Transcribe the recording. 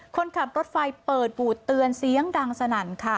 คนขับรถไฟเปิดบูดเตือนเสียงดังสนั่นค่ะ